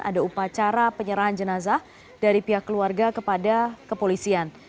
ada upacara penyerahan jenazah dari pihak keluarga kepada kepolisian